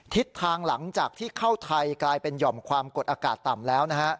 ทิศทางหลังจากที่เข้าไทยกลายเป็นหย่อมความกดอากาศต่ำแล้วนะฮะ